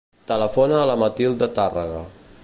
Telefona a la Matilda Tarraga.